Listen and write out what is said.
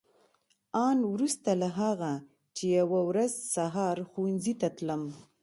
آن وروسته له هغه چې یوه ورځ سهار ښوونځي ته تلم.